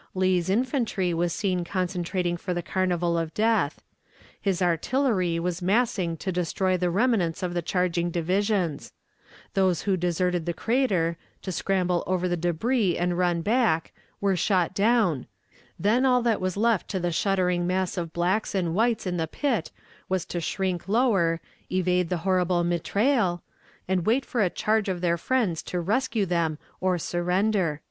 Lee's infantry was seen concentrating for the carnival of death; his artillery was massing to destroy the remnants of the charging divisions; those who deserted the crater, to scramble over the debris and run back, were shot down; then all that was left to the shuddering mass of blacks and whites in the pit was to shrink lower, evade the horrible mitraille, and wait for a charge of their friends to rescue them or surrender."